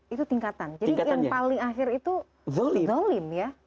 itu tingkatan jadi yang paling akhir itu zolim ya